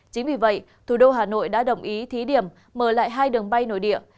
chính vì vậy thủ đô hà nội đã đồng ý thí điểm mở lại hai đường bay nội địa